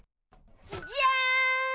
じゃん！